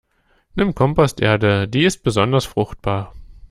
Nimm Komposterde, die ist besonders fruchtbar.